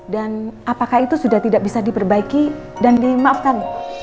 dan apakah itu sudah tidak bisa diperbaiki dan dimaafkan